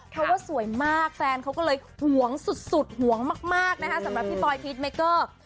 เพราะว่าสวยมากแฟนเขาก็เลยห่วงสุดห่วงมากนะคะสำหรับพี่ปอยพีชเมเกอร์